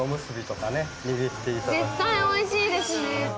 絶対おいしいですね。